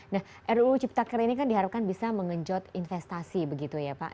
nah ruu ciptaker ini kan diharapkan bisa mengenjot investasi begitu ya pak